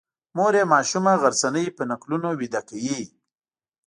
مور یې ماشومه غرڅنۍ په نکلونو ویده کوي.